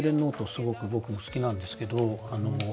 すごく僕も好きなんですけど